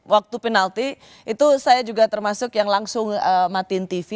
waktu penalti itu saya juga termasuk yang langsung matiin tv